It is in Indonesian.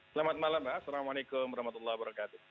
selamat malam assalamualaikum warahmatullahi wabarakatuh